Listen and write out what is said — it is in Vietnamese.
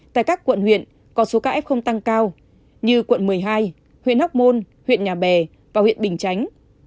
tại các quận huyện có số ca f tăng cao như quận một mươi hai huyện hóc môn huyện nhà bè và huyện bình chánh